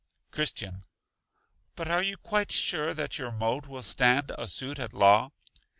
Christian. But are you quite sure that your mode will stand a suit at law?